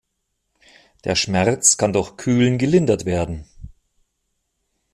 Der Schmerz kann durch Kühlen gelindert werden.